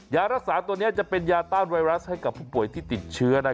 ยารักษาตัวนี้จะเป็นยาต้านไวรัสให้กับผู้ป่วยที่ติดเชื้อ